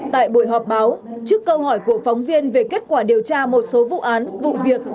tại buổi họp báo trước câu hỏi của phóng viên về kết quả điều tra một số vụ án vụ việc